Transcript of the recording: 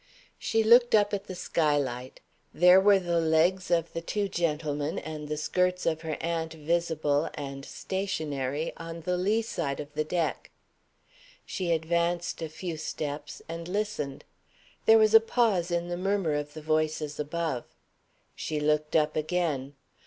She looked up at the sky light. There were the legs of the two gentlemen and the skirts of her aunt visible (and stationary) on the lee side of the deck. She advanced a few steps and listened. There was a pause in the murmur of the voices above. She looked up again.